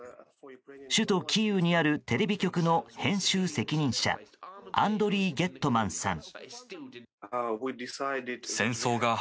首都キーウにあるテレビ局の編集責任者アンドリー・ゲットマンさん。